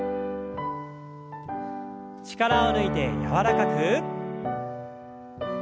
力を抜いて柔らかく。